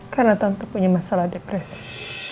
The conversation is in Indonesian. karena tante punya masalah depresi